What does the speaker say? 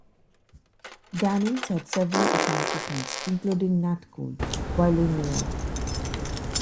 Daniels had several accompanists, including Nat Cole, while in New York.